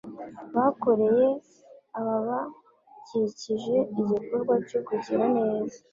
bakoreye ababakikije igikorwa cyo kugira neza.